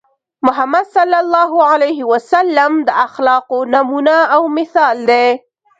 محمد ص د اخلاقو نمونه او مثال دی.